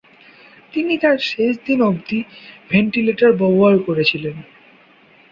তিনি তার শেষ দিন অবধি ভেন্টিলেটর ব্যবহার করেছিলেন।